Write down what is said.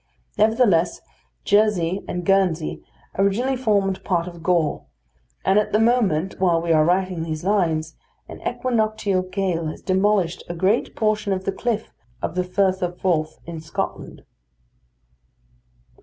Nevertheless, Jersey and Guernsey originally formed part of Gaul, and at the moment while we are writing these lines, an equinoctial gale has demolished a great portion of the cliff of the Firth of Forth in Scotland.